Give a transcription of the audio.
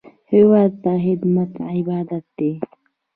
هېواد ته خدمت عبادت دی